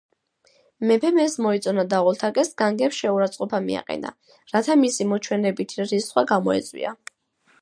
მეფემ ეს მოიწონა და ოლთაკეს განგებ შეურაცხყოფა მიაყენა, რათა მისი მოჩვენებითი რისხვა გამოეწვია.